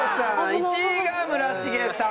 １位が村重さん。